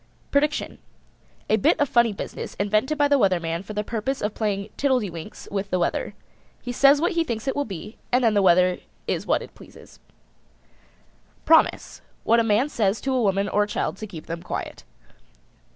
PREDICTION. A bit of funny business invented by the Weather Man for the purpose of playing tiddledewinks with the weather. He says what he thinks it will be and then the weather is what it pleases. PROMISE. What a man says to a woman or a child to keep them quiet.